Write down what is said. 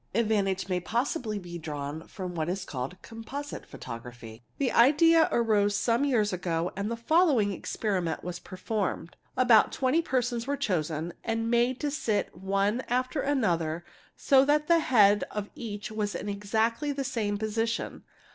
| Advantage may possibly be drawn from what is called '' Composite' photography. The idea arose some years ago and the following experi — ment was performed. About twenty persons were chosen and made to sit one after another so that the head of each was in exactly the same position.